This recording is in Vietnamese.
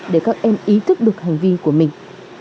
để các em ý thức được hành vi của mình